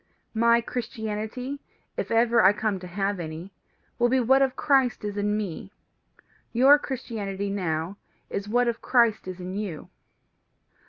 My Christianity, if ever I come to have any, will be what of Christ is in me; your Christianity now is what of Christ is in you.